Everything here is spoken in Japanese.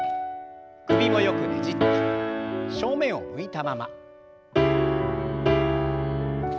首もよくねじって正面を向いたまま。